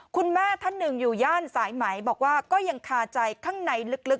คุณแม่ท่านหนึ่งอยู่ย่านสายไหมบอกว่าก็ยังคาใจข้างในลึก